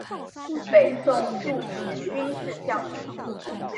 北宋著名军事将领。